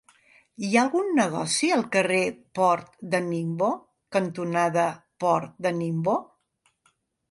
Hi ha algun negoci al carrer Port de Ningbo cantonada Port de Ningbo?